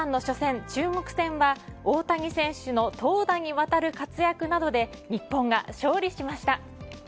その侍ジャパンの初戦、中国戦は大谷選手の投打にわたる活躍などで日本が勝利しました。